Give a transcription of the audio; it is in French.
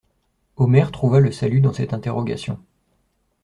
Omer trouva le salut dans cette interrogation.